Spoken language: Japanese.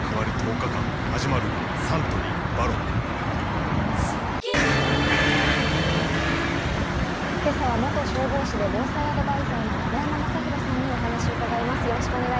サントリー「ＶＡＲＯＮ」今朝は元消防士で防災アドバイザーの永山政広さんにお話を伺います。